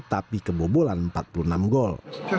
tapi kebobolan empat puluh enam gol